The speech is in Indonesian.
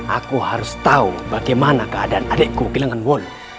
aku harus tahu bagaimana keadaan adikku kilangan wolu